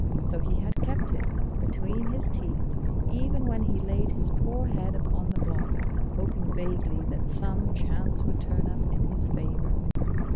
So he had kept it between his teeth, even when he laid his poor head upon the block, hoping vaguely that some chance would turn up in his favour.